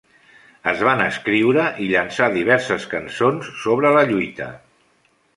Es van escriure i llançar diverses cançons sobre la lluita.